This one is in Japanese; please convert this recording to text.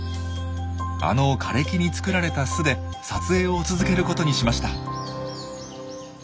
あの枯れ木に作られた巣で撮影を続けることにしました。